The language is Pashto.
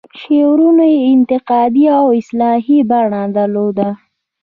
شعرونو یې انتقادي او اصلاحي بڼه درلوده.